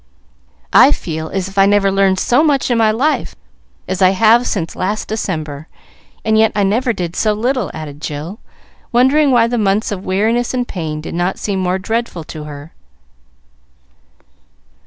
"I feel as if I never learned so much in my life as I have since last December, and yet I never did so little," added Jill, wondering why the months of weariness and pain did not seem more dreadful to her.